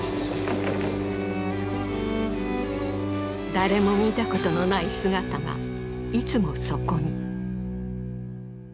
誰も見たことのない姿がいつもそこに。